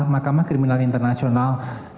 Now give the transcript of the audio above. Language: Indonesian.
makamah kriminal internasional